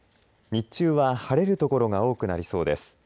日中は晴れる所が多くなりそうです。